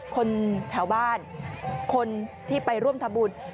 คนแถวบ้านคนที่ไปร่วมทำบุญ